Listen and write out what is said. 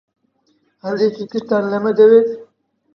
هەندێکی ترتان لەمە دەوێت؟